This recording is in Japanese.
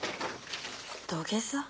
土下座？